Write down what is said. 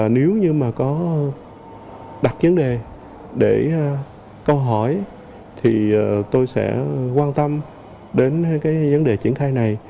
nếu như mà có đặt vấn đề để câu hỏi thì tôi sẽ quan tâm đến cái vấn đề triển khai này